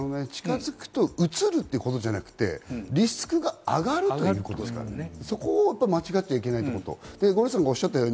近づくと、うつるということじゃなくて、リスクが上がるというところ、間違っちゃいけないところ。